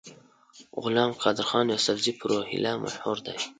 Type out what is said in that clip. غلام قادرخان یوسفزي په روهیله مشهور دی.